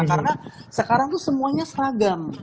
karena sekarang tuh semuanya seragam